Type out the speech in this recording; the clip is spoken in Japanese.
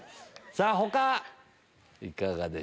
他いかがでしょう？